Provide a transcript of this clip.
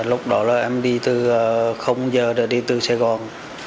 lúc đó em đi từ không giờ đi từ sài gòn